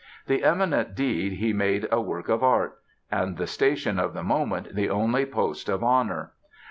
The imminent deed he made a work of art; and the station of the moment the only post of honor.